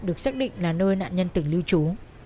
được xác định là nơi nạn nhân từng lưu trú